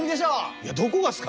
いやどこがすか！